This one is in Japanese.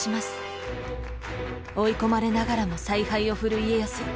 追い込まれながらも采配を振る家康。